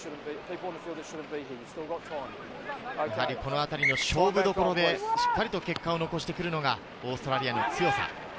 この辺りの勝負どころでしっかりと結果を残してくるのがオーストラリアの強さ。